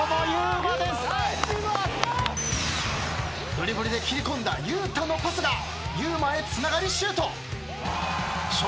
ドリブルで切り込んだゆうたのパスがゆうまへつながりシュート。笑